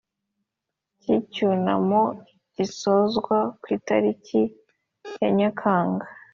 cy icyunamo kigasozwa ku itariki ya Nyakanga